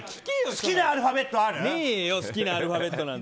好きなアルファベットある？